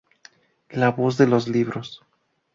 La voz de los libros.